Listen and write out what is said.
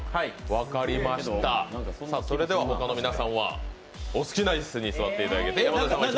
それでは他の皆さんはお好きな椅子に座っていただいて。